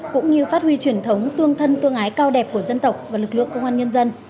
cũng như phát huy truyền thống tương thân tương ái cao đẹp của dân tộc và lực lượng công an nhân dân